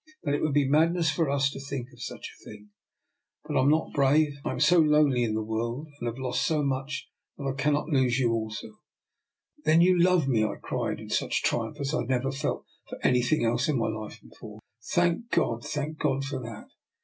That it would be madness for us to think of such a thing. But I am not brave. I am so lonely in the world, and have lost so much, that I cannot lose you also." "Then you love me," I cried, in such DR. NIKOLA'S EXPERIMENT. 221 triumph as I had never felt for anything else in my life before. " Thank God, thank God for that!"